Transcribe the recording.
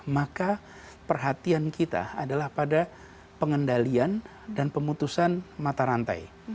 maka perhatian kita adalah pada pengendalian dan pemutusan mata rantai